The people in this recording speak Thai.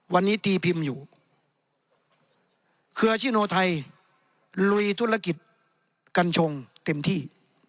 วันนี้ตีพิมพ์อยู่เครือชิโนไทยลุยธุรกิจกัญชงเต็มที่